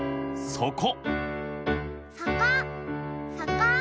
そこ！